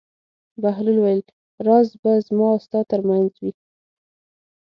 بهلول وویل: راز به زما او ستا تر منځ وي.